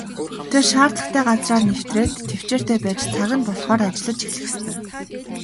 Тэрээр шаардлагатай газраа нэвтрээд тэвчээртэй байж цаг нь болохоор ажиллаж эхлэх ёстой.